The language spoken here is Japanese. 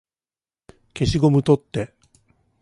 消しゴム取って